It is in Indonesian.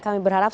ya kami berharap